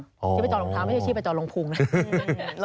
ชีพประจองลงเท้าไม่ใช่ชีพประจองลงพุงนะ